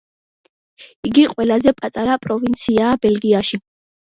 იგი ყველაზე პატარა პროვინციაა ბელგიაში.